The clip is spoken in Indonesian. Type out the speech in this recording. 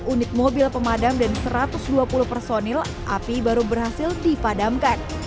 satu ratus enam puluh enam unit mobil pemadam dan satu ratus dua puluh personil api baru berhasil difadamkan